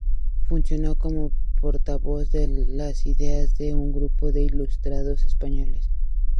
Funcionó como portavoz de las ideas de un grupo de ilustrados españoles.